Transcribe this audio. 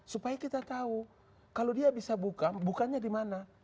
supaya kita tahu kalau dia bisa buka bukannya di mana